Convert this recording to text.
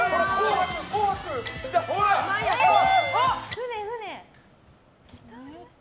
船、船。